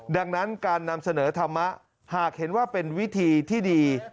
ดังนั้นการนำเสนอธรรมะหากเห็นว่าเป็นวิธีที่ดี